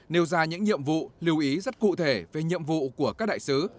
nêu ra những nhiệm vụ lưu ý rất cụ thể về nhiệm vụ của các đại sứ